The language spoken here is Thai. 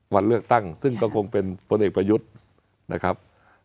วันเลือกตั้งซึ่งก็คงเป็นพลเอกประยุทธ์นะครับ